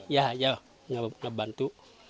ya ya ngebantu